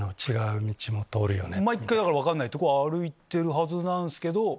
毎回分かんないとこ歩いてるはずなんすけど。